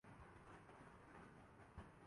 اب کے خزاں ایسی ٹھہری وہ سارے زمانے بھول گئے